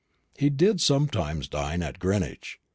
He did sometimes dine at Greenwich.